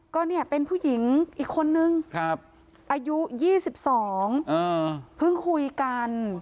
ก็เนี่ยเป็นผู้หญิงอีกคนนึงอายุ๒๒เพิ่งคุยกัน